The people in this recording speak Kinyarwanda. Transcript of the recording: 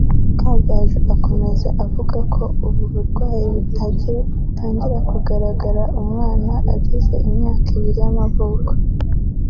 Kamagaju akomeza avuga ko ubu burwayi butangira kugaragara umwana agize imyaka ibiri y’amavuko